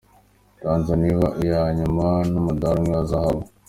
Tanzania iba iya nyuma n’umudari umwe wa zahabu.